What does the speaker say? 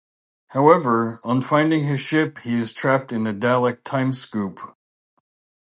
However, on finding his ship he is trapped in a Dalek time scoop.